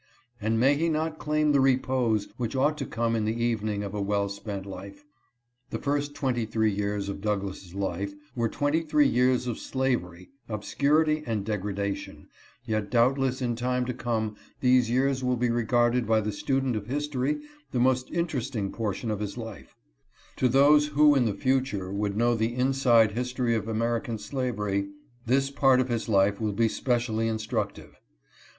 and may he not claim the "repose" which ought to come in the evening of a well spent life? ... The first twenty three years of Douglass' life were twenty three years of slavery, obscurity, and degradation, yet doubtless in time to come these years will be regarded by the student of history the most interesting portion of his life ; to those who in the future would know the inside history of American slavery, this part of his life will be specially instructive.